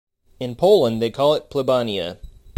In Poland they call it "Plebania".